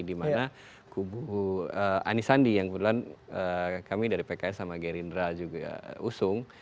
dimana kubu ani sandi yang kebetulan kami dari pks sama gerindra juga usung